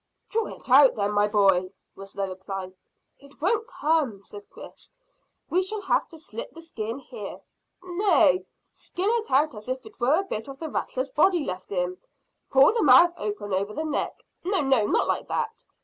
"Draw it out then, my boy," was the reply. "It won't come," said Chris. "We shall have to slit the skin here." "Nay, skin it out as if it were a bit of the rattler's body left in. Pull the mouth open over the neck. No, no; not like that.